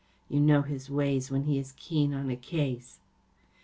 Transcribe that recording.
You know his way when he is keen on a case."